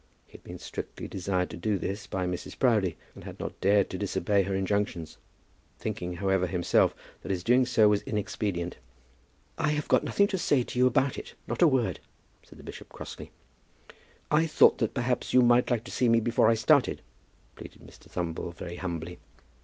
He had been strictly desired to do this by Mrs. Proudie, and had not dared to disobey her injunctions, thinking, however, himself, that his doing so was inexpedient. "I have got nothing to say to you about it; not a word," said the bishop crossly. "I thought that perhaps you might like to see me before I started," pleaded Mr. Thumble very humbly.